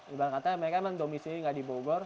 iban katanya mereka memang domisi nggak di bogor